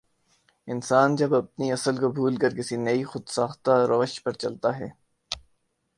انسان جب اپنی اصل کو بھول کر کسی نئی خو د ساختہ روش پرچلتا ہے